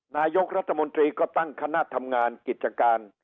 นายกรัฐมนตรีก็ตั้งคณะทำงานกิจการ